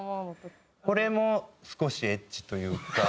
これも少しエッチというか。